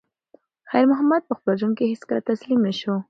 خیر محمد په خپل ژوند کې هیڅکله تسلیم نه شو.